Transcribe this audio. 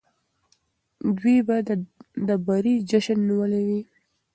دوی به د بري جشن نیولی وي.